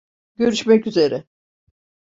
Görüşmek üzere.